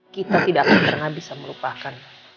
kita tidak akan pernah bisa melupakan